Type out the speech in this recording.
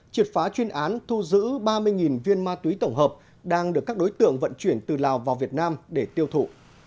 triệt phá chuyên án thu giữ ba mươi viên ma túy tổng hợp đang được các đối tượng vận chuyển từ lào vào việt nam để tiêu thụ